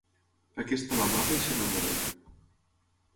Aquesta l’amaga i s'enamoren.